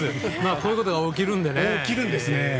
こういうことが起きるのでね。